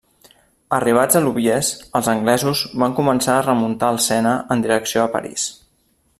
Arribats a Louviers, els anglesos van començar a remuntar el Sena en direcció a París.